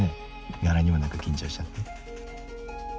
柄にもなく緊張しちゃって。